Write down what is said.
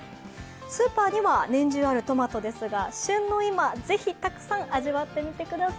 スーパーには年中あるトマトですが旬の今、ぜひたくさん味わってみてください。